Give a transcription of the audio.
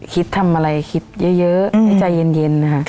คิดทำอะไรคิดเยอะใจเย็นนะครับ